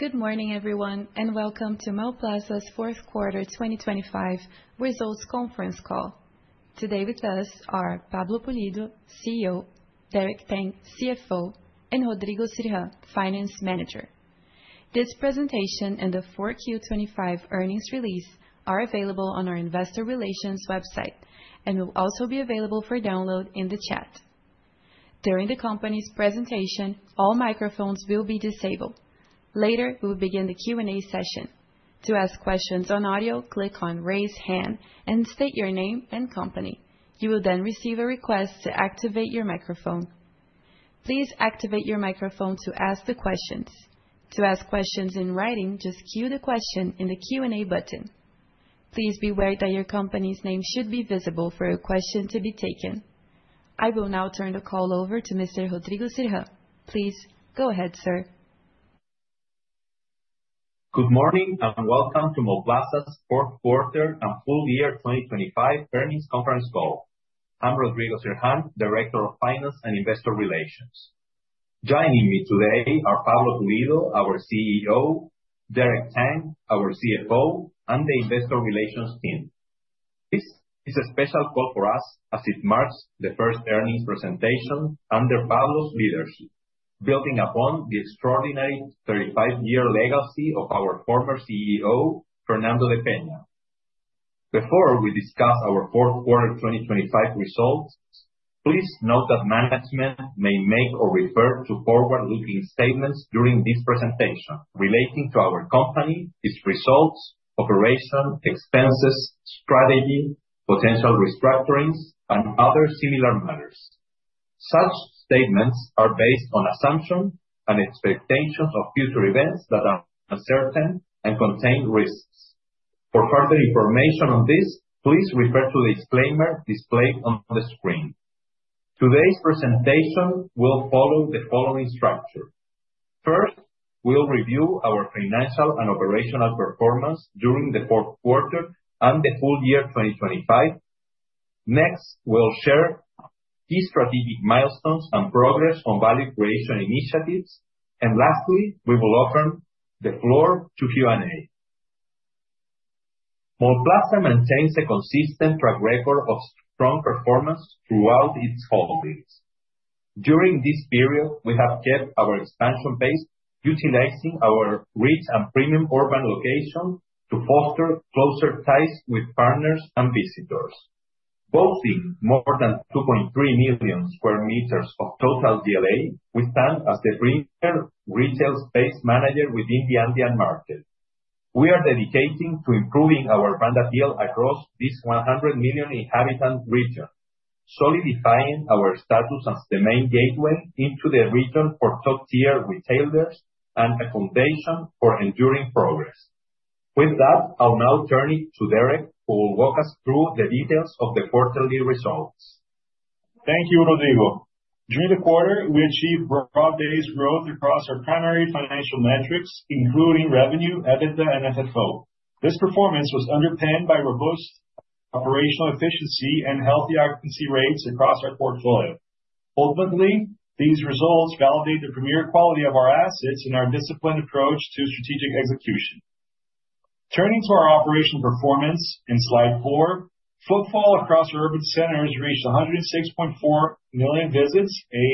Good morning, everyone, and welcome to Mallplaza's Q4, 2025 results conference call. Today with us are Pablo Pulido, CEO, Derek Tang, CFO, and Rodrigo Sirhan, Finance Manager. This presentation and the 4Q 2025 earnings release are available on our investor relations website and will also be available for download in the chat. During the company's presentation, all microphones will be disabled. Later, we'll begin the Q&A session. To ask questions on audio, click on Raise Hand and state your name and company. You will receive a request to activate your microphone. Please activate your microphone to ask the questions. To ask questions in writing, just cue the question in the Q&A button. Please be aware that your company's name should be visible for your question to be taken. I will now turn the call over to Mr. Rodrigo Sirhan. Please, go ahead, sir. Good morning, welcome to Mallplaza's Q4 and full year 2025 earnings conference call. I'm Rodrigo Sirhan, Director of Finance and Investor Relations. Joining me today are Pablo Pulido, our CEO, Derek Tang, our CFO, and the investor relations team. This is a special call for us as it marks the first earnings presentation under Pablo's leadership, building upon the extraordinary 35-year legacy of our former CEO, Fernando de Peña. Before we discuss our Q4 2025 results, please note that management may make or refer to forward-looking statements during this presentation relating to our company, its results, operations, expenses, strategy, potential restructurings, and other similar matters. Such statements are based on assumptions and expectations of future events that are uncertain and contain risks. For further information on this, please refer to the disclaimer displayed on the screen. Today's presentation will follow the following structure. First, we'll review our financial and operational performance during the Q4 and the full year 2025. Next, we'll share key strategic milestones and progress on value creation initiatives. Lastly, we will open the floor to Q&A. Mallplaza maintains a consistent track record of strong performance throughout its properties. During this period, we have kept our expansion pace, utilizing our rich and premium urban location to foster closer ties with partners and visitors. Boasting more than 2.3 million square meters of total GLA, we stand as the premier retail space manager within the Andean market. We are dedicating to improving our brand appeal across this 100 million inhabitant region, solidifying our status as the main gateway into the region for top-tier retailers and a foundation for enduring progress. With that, I'll now turn it to Derek, who will walk us through the details of the quarterly results. Thank you, Rodrigo. During the quarter, we achieved broad-based growth across our primary financial metrics, including revenue, EBITDA, and FFO. This performance was underpinned by robust operational efficiency and healthy occupancy rates across our portfolio. Ultimately, these results validate the premier quality of our assets and our disciplined approach to strategic execution. Turning to our operational performance on slide 4, footfall across urban centers reached 106.4 million visits, a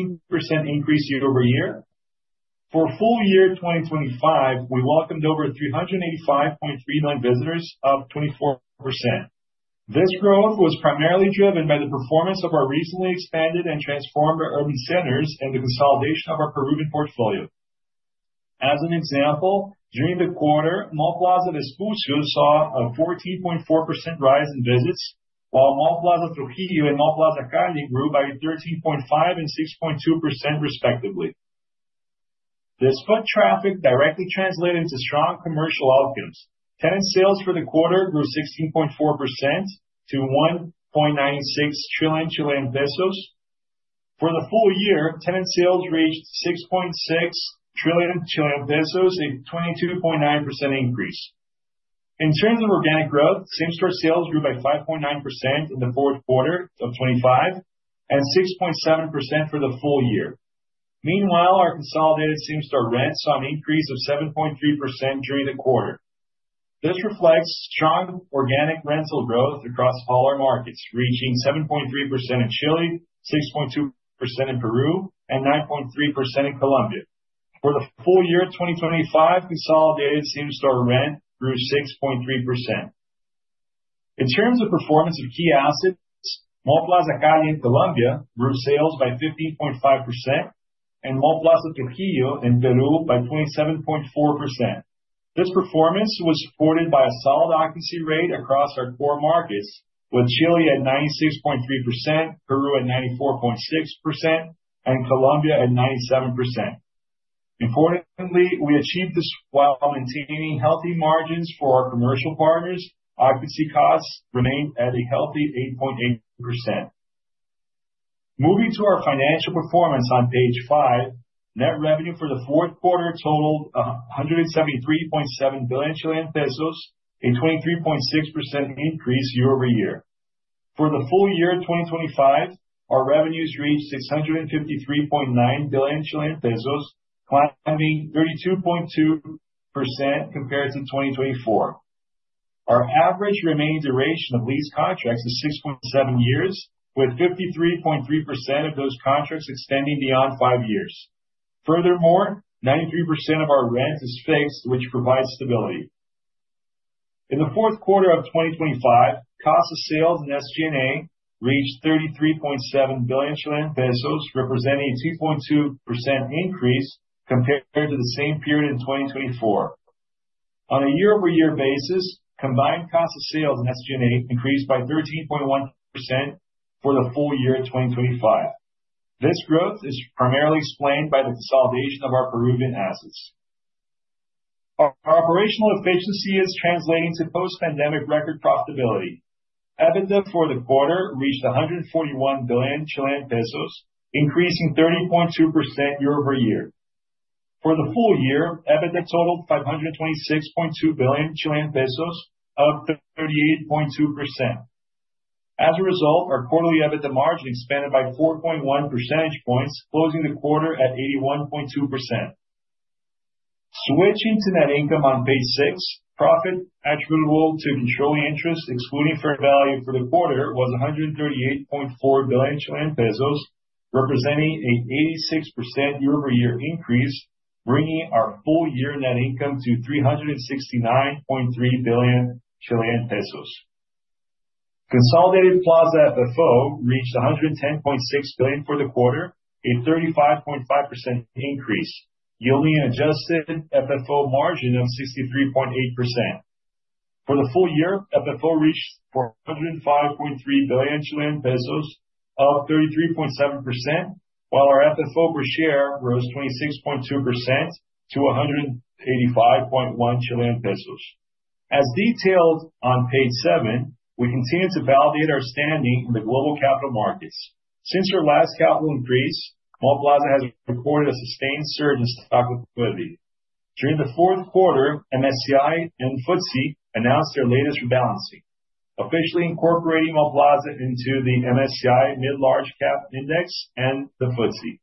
16% increase year-over-year. For full year 2025, we welcomed over 385.3 million visitors, up 24%. This growth was primarily driven by the performance of our recently expanded and transformed urban centers and the consolidation of our Peruvian portfolio. As an example, during the quarter, Mallplaza Vespucio saw a 14.4% rise in visits, while Mallplaza Trujillo and Mallplaza Cali grew by 13.5% and 6.2% respectively. This foot traffic directly translated to strong commercial outcomes. Tenant sales for the quarter grew 16.4% to 1.96 trillion Chilean pesos. For the full year, tenant sales reached 6.6 trillion, a 22.9% increase. In terms of organic growth, same-store sales grew by 5.9% in the Q4 of 2025, and 6.7% for the full year. Meanwhile, our consolidated same-store rents saw an increase of 7.3% during the quarter. This reflects strong organic rental growth across all our markets, reaching 7.3% in Chile, 6.2% in Peru, and 9.3% in Colombia. For the full year of 2025, consolidated same-store rent grew 6.3%. In terms of performance of key assets, Mallplaza Cali in Colombia grew sales by 15.5%, and Mallplaza Trujillo in Peru by 27.4%. This performance was supported by a solid occupancy rate across our core markets, with Chile at 96.3%, Peru at 94.6%, and Colombia at 97%. Importantly, we achieved this while maintaining healthy margins for our commercial partners. Occupancy costs remained at a healthy 8.8%. Moving to our financial performance on page 5, net revenue for the Q4 totaled 173.7 billion Chilean pesos, a 23.6% increase year-over-year. For the full year 2025, our revenues reached 653.9 billion Chilean pesos, climbing 32.2% compared to 2024. Our average remaining duration of lease contracts is 6.7 years, with 53.3% of those contracts extending beyond 5 years. Furthermore, 93% of our rent is fixed, which provides stability. In the Q4 of 2025, cost of sales and SG&A reached 33.7 billion Chilean pesos, representing a 2.2% increase compared to the same period in 2024. On a year-over-year basis, combined cost of sales and SG&A increased by 13.1% for the full year 2025. This growth is primarily explained by the consolidation of our Peruvian assets. Our operational efficiency is translating to post-pandemic record profitability. EBITDA for the quarter reached 141 billion Chilean pesos, increasing 30.2% year-over-year. For the full year, EBITDA totaled CLP 526.2 billion, up 38.2%. As a result, our quarterly EBITDA margin expanded by 4.1 percentage points, closing the quarter at 81.2%. Switching to net income on page 6, profit attributable to controlling interest, excluding fair value for the quarter, was 138.4 billion Chilean pesos, representing a 86% year-over-year increase, bringing our full-year net income to 369.3 billion Chilean pesos. Consolidated Plaza FFO reached CLP 110.6 billion for the quarter, a 35.5% increase, yielding an adjusted FFO margin of 63.8%. For the full year, FFO reached CLP 405.3 billion, up 33.7%, while our FFO per share rose 26.2% to 185.1 Chilean pesos. As detailed on page seven, we continue to validate our standing in the global capital markets. Since our last capital increase, Mallplaza has recorded a sustained surge in stock liquidity. During the Q4, MSCI and FTSE announced their latest rebalancing, officially incorporating Mallplaza into the MSCI Mid-Large Cap Index and the FTSE.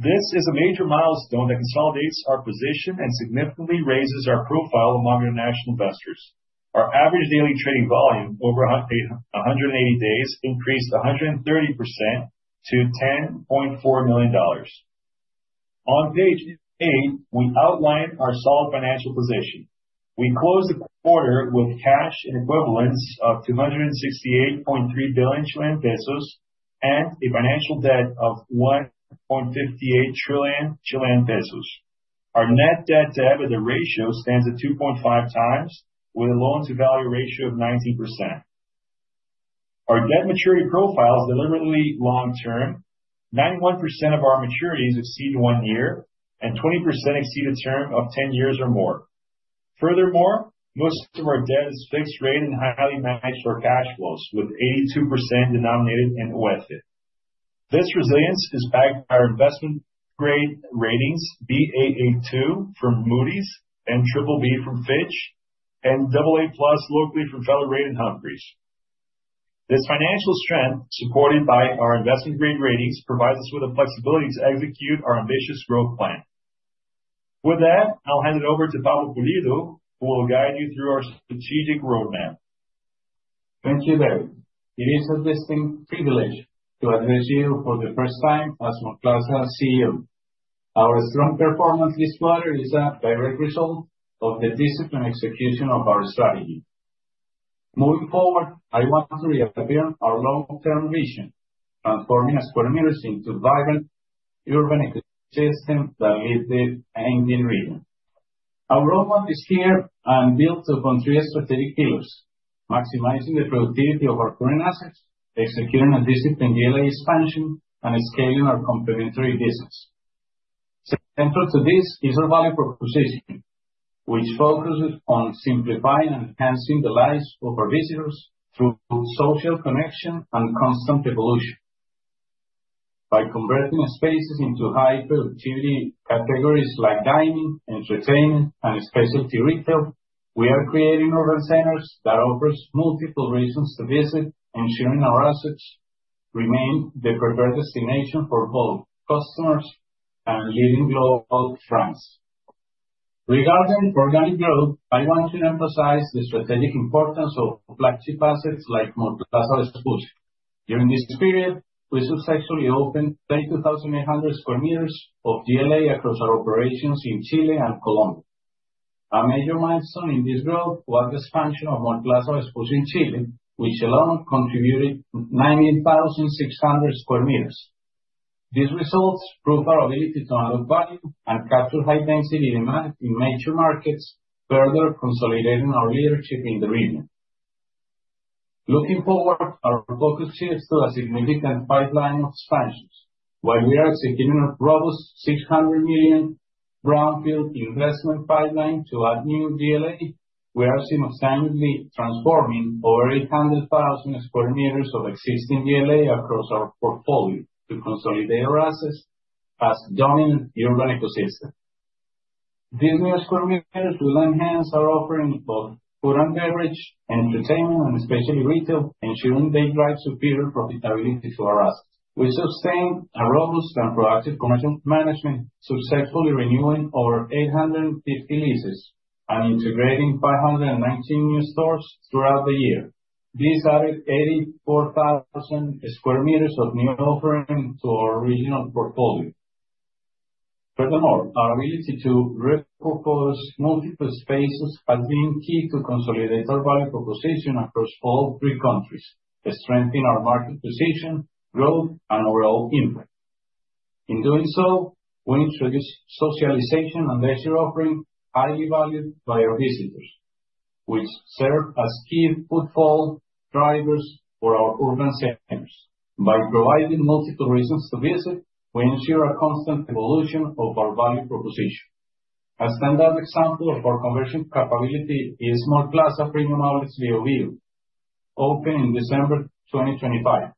This is a major milestone that consolidates our position and significantly raises our profile among international investors. Our average daily trading volume over 180 days increased 130% to $10.4 million. On page 8, we outline our solid financial position. We closed the quarter with cash and equivalents of 268.3 billion Chilean pesos, and a financial debt of 1.58 trillion Chilean pesos. Our net debt-to-EBITDA ratio stands at 2.5x, with a loan-to-value ratio of 19%. Our debt maturity profile is deliberately long-term. 91% of our maturities exceed 1 year, and 20% exceed a term of 10 years or more. Furthermore, most of our debt is fixed rate and highly matched to our cash flows, with 82% denominated in USD. This resilience is backed by our investment grade ratings, Baa2 from Moody's and BBB from Fitch, and AA+ locally from Fitch Ratings and Humphreys. This financial strength, supported by our investment grade ratings, provides us with the flexibility to execute our ambitious growth plan. With that, I'll hand it over to Pablo Pulido, who will guide you through our strategic roadmap. Thank you, Derek. It is a distinct privilege to address you for the first time as Mallplaza CEO. Our strong performance this quarter is a direct result of the disciplined execution of our strategy. Moving forward, I want to reaffirm our long-term vision, transforming square meters into vibrant urban ecosystem that lead the Andean region. Our roadmap is here and built upon three strategic pillars: maximizing the productivity of our current assets, executing a disciplined GLA expansion, and scaling our complementary business. Central to this is our value proposition, which focuses on simplifying and enhancing the lives of our visitors through social connection and constant evolution. By converting spaces into high productivity categories like dining, entertainment, and specialty retail, we are creating urban centers that offers multiple reasons to visit, ensuring our assets remain the preferred destination for both customers and leading global trends. Regarding organic growth, I want to emphasize the strategic importance of flagship assets like Mallplaza Expocenter. During this period, we successfully opened 22,800 square meters of GLA across our operations in Chile and Colombia. A major milestone in this growth was the expansion of Mallplaza Expocenter in Chile, which alone contributed 19,600 square meters. These results prove our ability to unlock value and capture high density demand in major markets, further consolidating our leadership in the region. Looking forward, our focus shifts to a significant pipeline of expansions. While we are executing a robust 600 million brownfield investment pipeline to add new GLA, we are simultaneously transforming over 800,000 square meters of existing GLA across our portfolio to consolidate our assets as dominant urban ecosystem.... These new square meters will enhance our offering of food and beverage, entertainment, and especially retail, ensuring they drive superior profitability to our assets. We sustain a robust and proactive commercial management, successfully renewing over 850 leases and integrating 519 new stores throughout the year. These added 84,000 square meters of new offering to our regional portfolio. Furthermore, our ability to repurpose multiple spaces has been key to consolidate our value proposition across all three countries, strengthening our market position, growth, and overall impact. In doing so, we introduced socialization and leisure offering, highly valued by our visitors, which serve as key footfall drivers for our urban centers. By providing multiple reasons to visit, we ensure a constant evolution of our value proposition. A standard example of our conversion capability is Mallplaza Premium Outlets Biobío, opened in December 2025.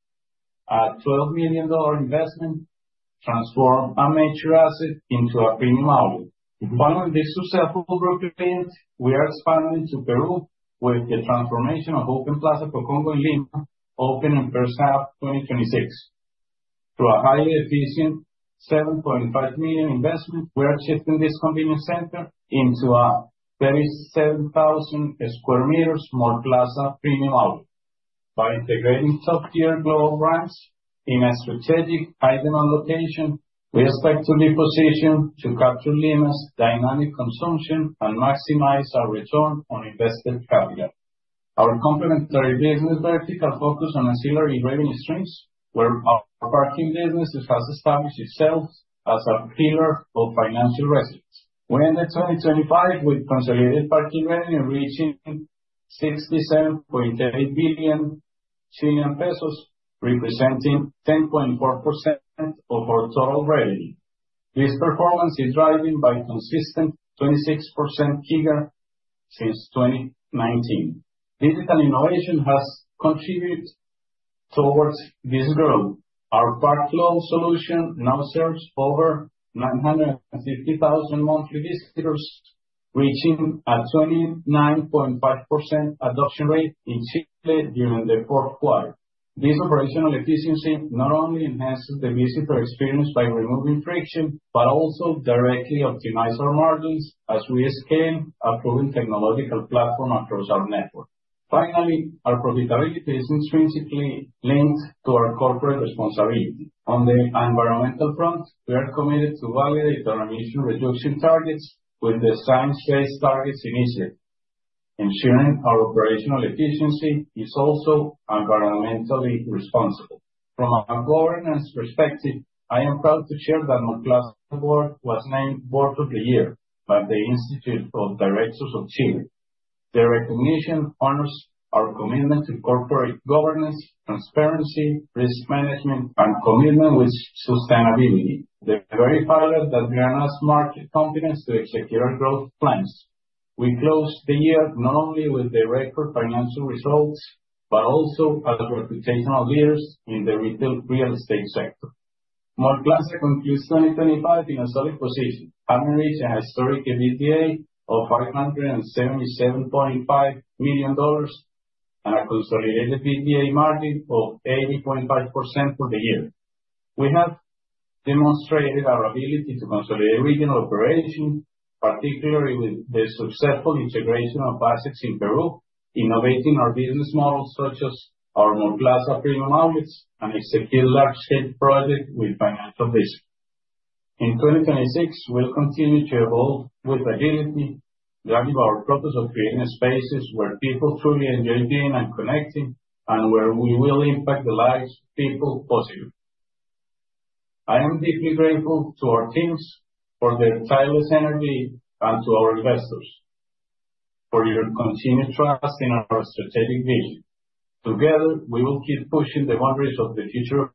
A $12 million investment transformed a mature asset into a premium outlet. Following this successful blueprint, we are expanding to Peru with the transformation of Open Plaza Angamos in Lima, opening in first half, 2026. Through a highly efficient $7.5 million investment, we are shifting this convenience center into a 37,000 square meters Mallplaza premium outlet. By integrating top-tier global brands in a strategic, high-demand location, we expect to be positioned to capture Lima's dynamic consumption and maximize our return on invested capital. Our complementary business vertical focus on ancillary revenue streams, where our parking business has established itself as a pillar of financial resilience. We ended 2025 with consolidated parking revenue reaching 67.8 billion Chilean pesos, representing 10.4% of our total revenue. This performance is driving by consistent 26% CAGR since 2019. Digital innovation has contributed towards this growth. Our Parkflow solution now serves over 950,000 monthly visitors, reaching a 29.5% adoption rate in Chile during the Q4. This operational efficiency not only enhances the visitor experience by removing friction, but also directly optimize our margins as we scale our proven technological platform across our network. Finally, our profitability is intrinsically linked to our corporate responsibility. On the environmental front, we are committed to validate our emission reduction targets with the Science-Based Targets Initiative, ensuring our operational efficiency is also environmentally responsible. From a governance perspective, I am proud to share that Mallplaza board was named Board of the Year by the Institute of Directors of Chile. The recognition honors our commitment to corporate governance, transparency, risk management, and commitment with sustainability, the very pillars that we are as market confidence to execute our growth plans. We closed the year not only with the record financial results, but also as reputational leaders in the retail real estate sector. Mallplaza concludes 2025 in a solid position, having reached a historic EBITDA of $577.5 million and a consolidated EBITDA margin of 80.5% for the year. We have demonstrated our ability to consolidate regional operation, particularly with the successful integration of assets in Peru, innovating our business models, such as our Mallplaza Premium Outlets, and execute large-scale project with financial risk. In 2026, we'll continue to evolve with agility, driving our purpose of creating spaces where people truly enjoy being and connecting, and where we will impact the lives of people positively. I am deeply grateful to our teams for their tireless energy and to our investors for your continued trust in our strategic vision. Together, we will keep pushing the boundaries of the future.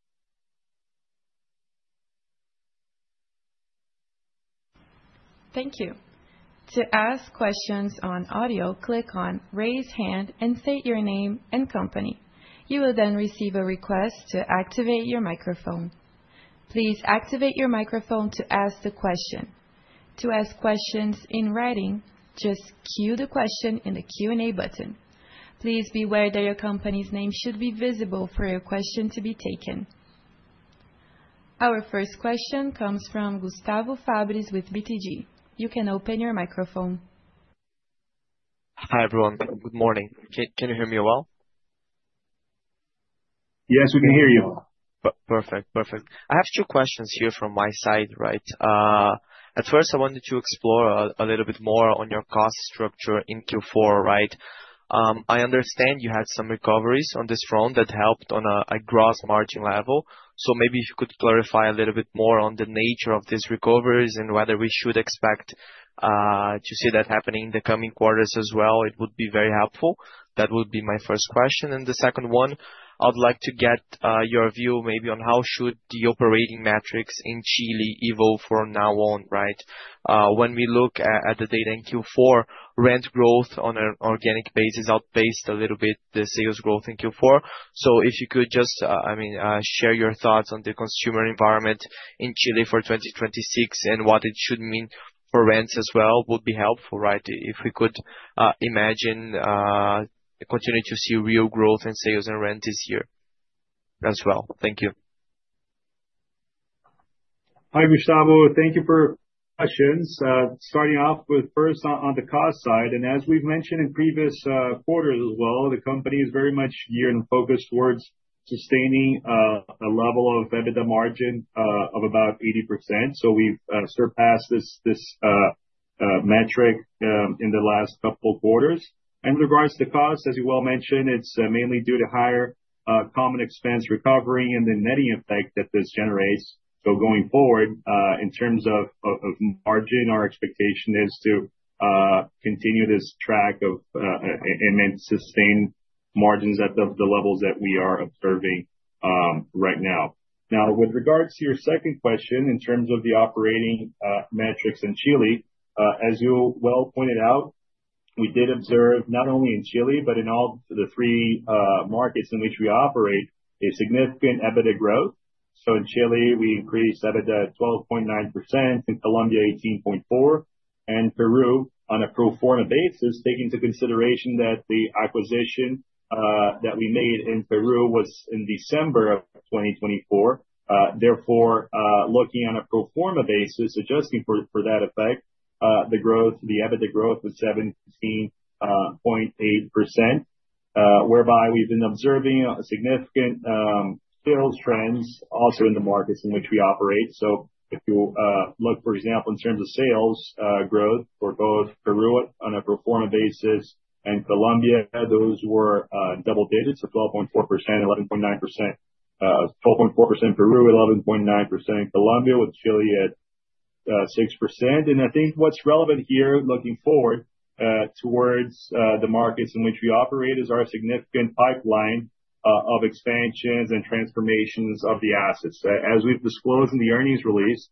Thank you. To ask questions on audio, click on Raise Hand and state your name and company. You will then receive a request to activate your microphone. Please activate your microphone to ask the question. To ask questions in writing, just queue the question in the Q&A button. Please be aware that your company's name should be visible for your question to be taken. Our first question comes from Gustavo Fabris with BTG Pactual. You can open your microphone. Hi, everyone. Good morning. Can you hear me well? Yes, we can hear you. Perfect, perfect. I have two questions here from my side, right? At first, I wanted to explore a little bit more on your cost structure in Q4, right? I understand you had some recoveries on this front that helped on a gross margin level. Maybe if you could clarify a little bit more on the nature of these recoveries and whether we should expect to see that happening in the coming quarters as well, it would be very helpful. That would be my first question. The second one, I would like to get your view maybe on how should the operating metrics in Chile evolve from now on, right? When we look at the data in Q4, rent growth on an organic basis outpaced a little bit the sales growth in Q4. If you could just, I mean, share your thoughts on the consumer environment in Chile for 2026 and what it should mean for rents as well, would be helpful, right? If we could imagine continue to see real growth in sales and rent this year as well. Thank you. Hi, Gustavo, thank you for questions. Starting off with first on the cost side, and as we've mentioned in previous quarters as well, the company is very much geared and focused towards sustaining a level of EBITDA margin of about 80%. We've surpassed this metric in the last couple of quarters. With regards to cost, as you well mentioned, it's mainly due to higher common expense recovery and the netting effect that this generates. Going forward, in terms of margin, our expectation is to continue this track and sustain margins at the levels that we are observing right now. Now, with regards to your second question, in terms of the operating metrics in Chile, as you well pointed out, we did observe, not only in Chile, but in all the three markets in which we operate, a significant EBITDA growth. In Chile, we increased EBITDA 12.9%, in Colombia, 18.4%, and Peru, on a pro forma basis, take into consideration that the acquisition that we made in Peru was in December of 2024. Looking on a pro forma basis, adjusting for that effect, the growth, the EBITDA growth was 17.8%, whereby we've been observing a significant sales trends also in the markets in which we operate. If you look, for example, in terms of sales growth for both Peru on a pro forma basis and Colombia, those were double digits, 12.4%, 11.9%. 12.4% in Peru, 11.9% in Colombia, with Chile at 6%. I think what's relevant here, looking forward towards the markets in which we operate, is our significant pipeline of expansions and transformations of the assets. As we've disclosed in the earnings release,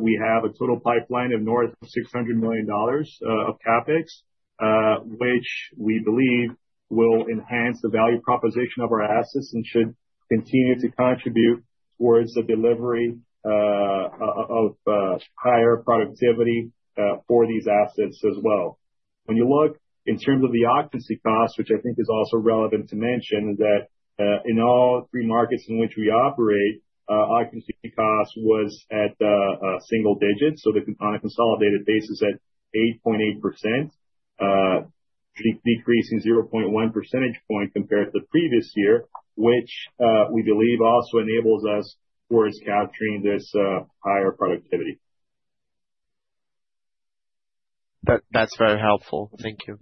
we have a total pipeline of north of $600 million of CapEx, which we believe will enhance the value proposition of our assets and should continue to contribute towards the delivery of higher productivity for these assets as well. When you look in terms of the occupancy cost, which I think is also relevant to mention, that in all three markets in which we operate, occupancy cost was at a single digits. On a consolidated basis, at 8.8%, decreasing 0.1 percentage point compared to the previous year, which we believe also enables us towards capturing this higher productivity. That's very helpful. Thank you.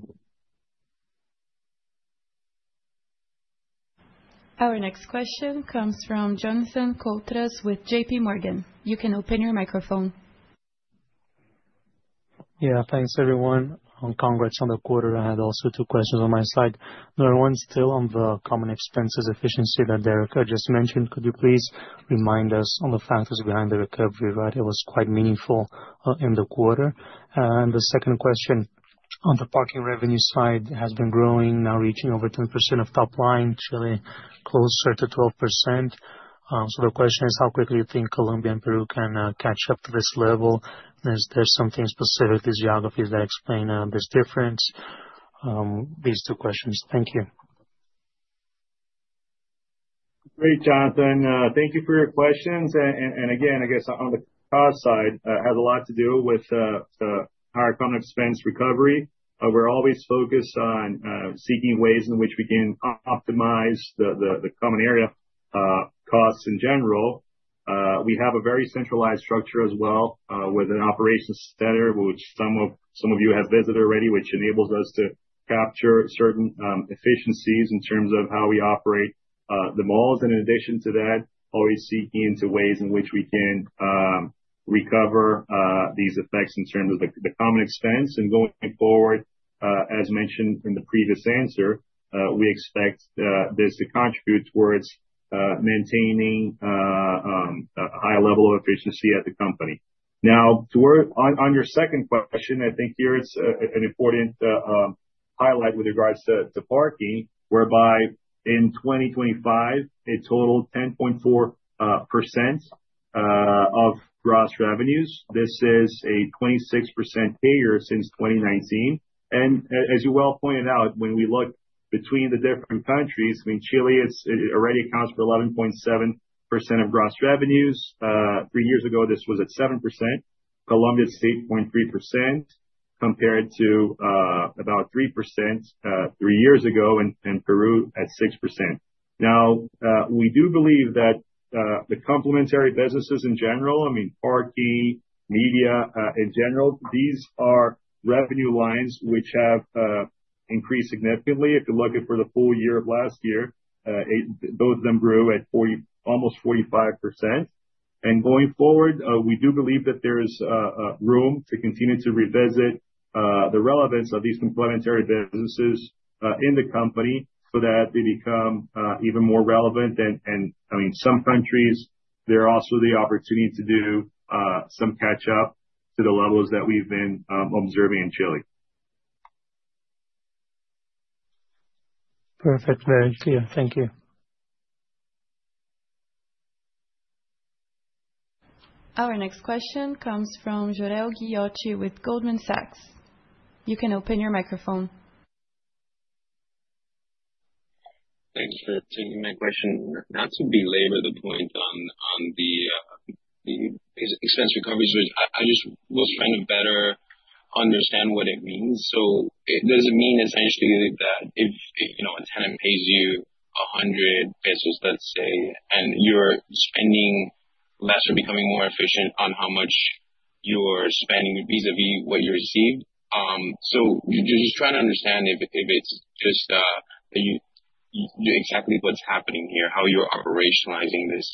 Our next question comes from Jonathan Coutras with JPMorgan. You can open your microphone. Yeah. Thanks, everyone, and congrats on the quarter. I had also 2 questions on my side. The one still on the common expenses efficiency that Derek just mentioned. Could you please remind us on the factors behind the recovery, right? It was quite meaningful in the quarter. The second question, on the parking revenue side, has been growing, now reaching over 10% of top line, Chile closer to 12%. The question is: How quickly you think Colombia and Peru can catch up to this level? Is there something specific to geographies that explain this difference? These 2 questions. Thank you. Great, Jonathan, thank you for your questions. Again, I guess on the cost side, it has a lot to do with the higher common expense recovery. We're always focused on seeking ways in which we can optimize the common area costs in general. We have a very centralized structure as well, with an operations center, which some of you have visited already, which enables us to capture certain efficiencies in terms of how we operate the malls. In addition to that, always seeking into ways in which we can recover these effects in terms of the common expense. Going forward, as mentioned in the previous answer, we expect this to contribute towards maintaining a high level of efficiency at the company. On your second question, I think here it's an important highlight with regards to parking, whereby in 2025, a total of 10.4% of gross revenues, this is a 26% payer since 2019. As you well pointed out, when we look between the different countries, I mean, Chile, it already accounts for 11.7% of gross revenues. Three years ago, this was at 7%. Colombia is 8.3%, compared to about 3% three years ago, and Peru at 6%. We do believe that the complementary businesses in general, I mean, parking, media, in general, these are revenue lines which have increased significantly. If you look at for the full year of last year, both of them grew at 40, almost 45%. Going forward, we do believe that there is a room to continue to revisit the relevance of these complementary businesses in the company, so that they become even more relevant. I mean, some countries, there are also the opportunity to do some catch-up to the levels that we've been observing in Chile. Perfect. Very clear. Thank you. Our next question comes from Jorel Guilloty with Goldman Sachs. You can open your microphone. Thanks for taking my question. Not to belabor the point on the expense recovery surge, I just was trying to better understand what it means. Does it mean essentially that if, you know, a tenant pays you 100 pesos, let's say, and you're spending less or becoming more efficient on how much you're spending vis-a-vis what you received? Just trying to understand if it's just exactly what's happening here, how you're operationalizing this.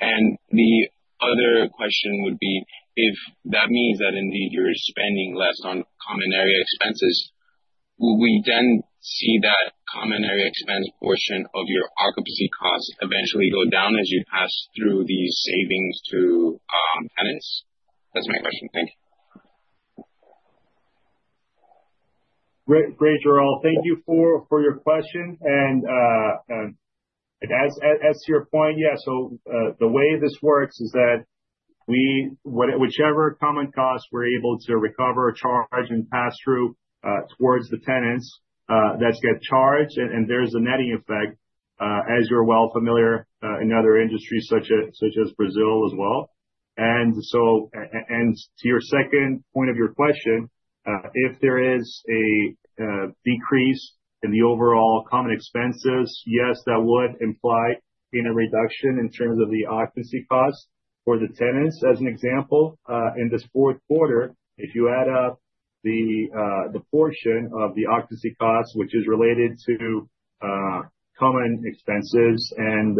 The other question would be, if that means that indeed you're spending less on common area expenses, will we then see that common area expense portion of your occupancy costs eventually go down as you pass through these savings to tenants? That's my question. Thank you. Great, Jorel. Thank you for your question. as to your point, yeah, the way this works is that we, whichever common costs we're able to recover or charge and pass through towards the tenants, that's get charged, and there's a netting effect, as you're well familiar, in other industries such as Brazil as well. and to your second point of your question, if there is a decrease in the overall common expenses, yes, that would imply in a reduction in terms of the occupancy costs for the tenants. As an example, in this Q4, if you add up the portion of the occupancy costs, which is related to common expenses and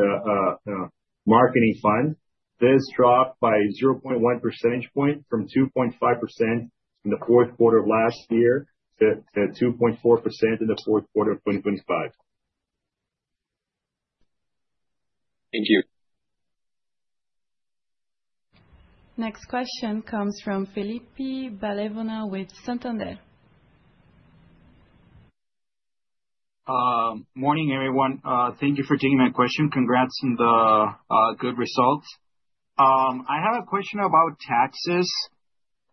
marketing fund, this dropped by 0.1 percentage point from 2.5% in the Q4 of last year, to 2.4% in the Q4 of 2025. Thank you. Next question comes from Felipe Ballevona with Santander. Morning, everyone. Thank you for taking my question. Congrats on the good results. I have a question about taxes.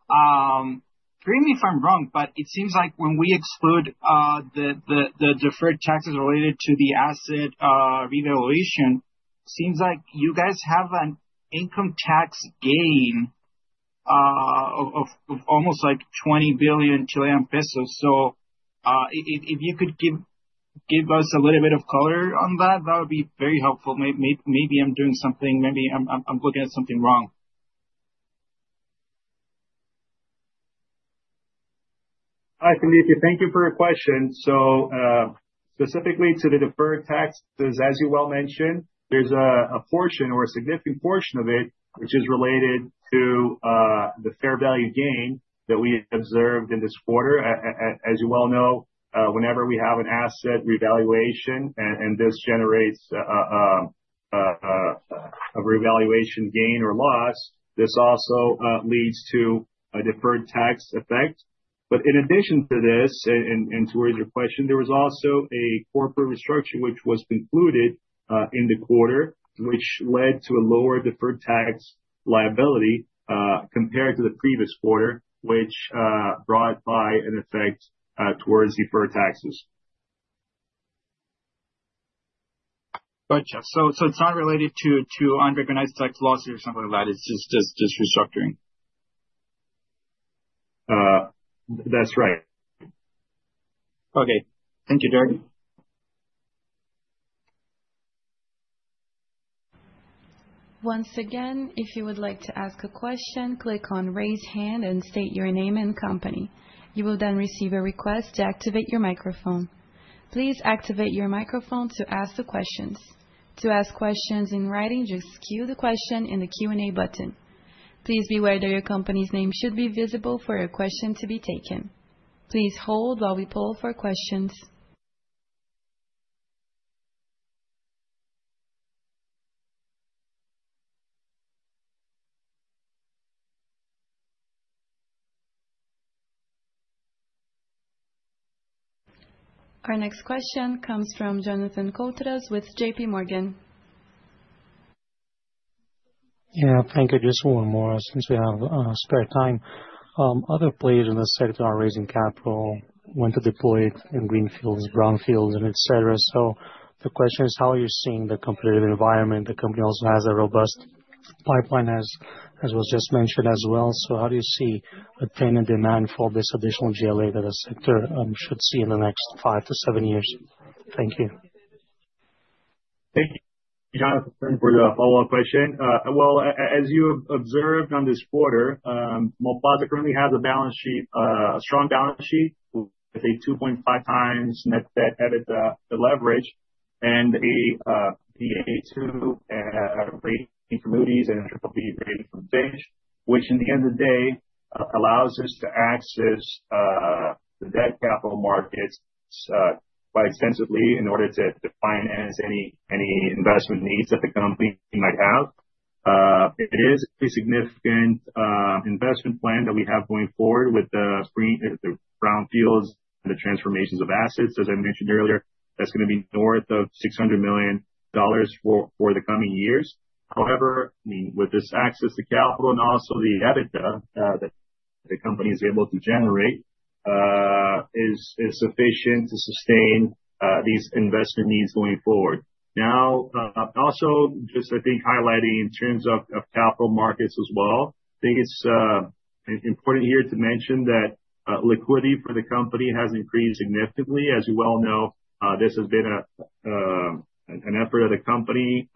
Correct me if I'm wrong, it seems like when we exclude the deferred taxes related to the asset revaluation, seems like you guys have an income tax gain of almost 20 billion Chilean pesos. If you could give us a little bit of color on that would be very helpful. Maybe I'm doing something, maybe I'm looking at something wrong. Hi, Felipe. Thank you for your question. Specifically to the deferred taxes, as you well mentioned, there's a portion or a significant portion of it, which is related to the fair value gain that we observed in this quarter. As you well know, whenever we have an asset revaluation and this generates a revaluation gain or loss, this also leads to a deferred tax effect. In addition to this, and towards your question, there was also a corporate restructure which was concluded in the quarter, which led to a lower deferred tax liability compared to the previous quarter, which brought by an effect towards deferred taxes. Gotcha. It's not related to unrecognized tax loss or something like that, it's just restructuring? That's right. Okay. Thank you, Gerald. Once again, if you would like to ask a question, click on Raise Hand, and state your name and company. You will then receive a request to activate your microphone. Please activate your microphone to ask the questions. To ask questions in writing, just queue the question in the Q&A button. Please be aware that your company's name should be visible for your question to be taken. Please hold while we poll for questions. Our next question comes from Jonathan Koutras with JPMorgan. Yeah, thank you. Just one more, since we have spare time. Other players in this sector are raising capital, when to deploy it in greenfields, brownfields, and et cetera. The question is: How are you seeing the competitive environment? The company also has a robust pipeline as was just mentioned as well. How do you see the tenant demand for this additional GLA that the sector should see in the next five to seven years? Thank you. Thank you, Jonathan, for your follow-up question. As you observed on this quarter, Mallplaza currently has a balance sheet, a strong balance sheet, with a 2.5x net debt EBITDA, the leverage, and a Baa2 rating from Moody's and BBB rating from Fitch, which in the end of the day, allows us to access the debt capital markets quite extensively in order to finance any investment needs that the company might have. It is a significant investment plan that we have going forward with the brownfields and the transformations of assets, as I mentioned earlier, that's gonna be north of $600 million for the coming years. However, with this access to capital and also the EBITDA, that- the company is able to generate, is sufficient to sustain these investment needs going forward. Also just I think highlighting in terms of capital markets as well, I think it's important here to mention that liquidity for the company has increased significantly. As you well know, this has been an effort of the company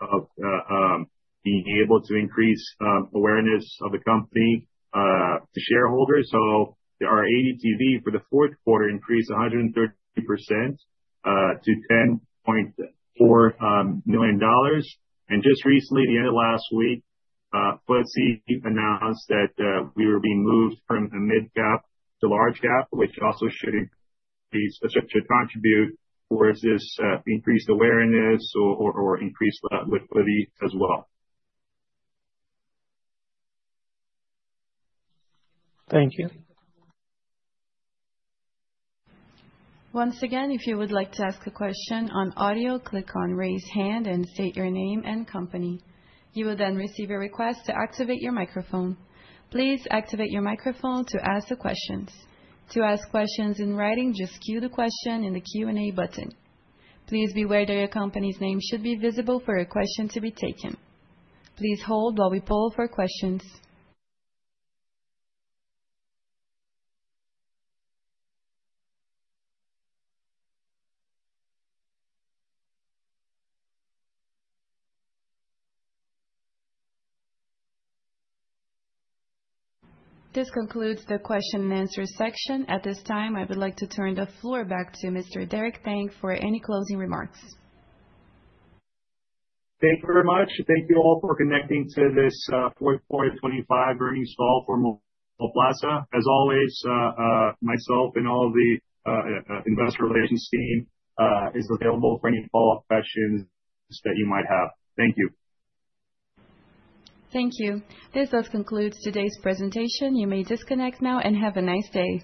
of being able to increase awareness of the company to shareholders. Our ADTV for the Q4 increased 130% to $10.4 million. Just recently, the end of last week, FTSE announced that we were being moved from a Mid-Cap to Large-Cap, which also should contribute towards this increased awareness or increased liquidity as well. Thank you. Once again, if you would like to ask a question on audio, click on Raise Hand and state your name and company. You will then receive a request to activate your microphone. Please activate your microphone to ask the questions. To ask questions in writing, just queue the question in the Q&A button. Please be aware that your company's name should be visible for your question to be taken. Please hold while we poll for questions. This concludes the question and answer section. At this time, I would like to turn the floor back to Mr. Derek Tang for any closing remarks. Thank you very much. Thank you all for connecting to this, Q4 2025 earnings call for Mallplaza. As always, myself and all the investor relations team is available for any follow-up questions that you might have. Thank you. Thank you. This does conclude today's presentation. You may disconnect now and have a nice day.